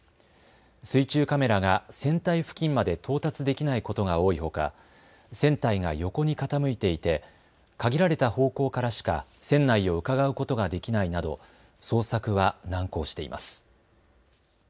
水中カメラが船体付近まで到達できないことが多いほか船体が横に傾いていて限られた方向からしか船内をうかがうことができないなど捜索は難航しています。